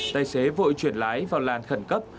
tài xế vội chuyển lái vào làn khẩn cấp